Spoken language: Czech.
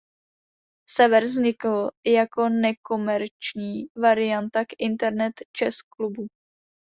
Server vznikl jako nekomerční varianta k Internet Chess Clubu.